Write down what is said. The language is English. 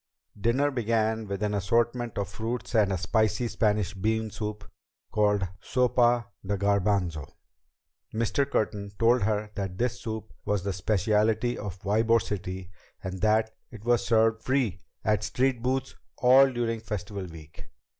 Dinner began with an assortment of fruits and a spicy Spanish bean soup called Sopa de Garbanzo. Mr. Curtin told her that this soup was the speciality of Ybor City and that it was served free at street booths all during Festival Week.